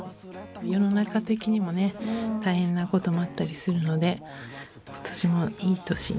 世の中的にもね大変なこともあったりするので今年もいい年に。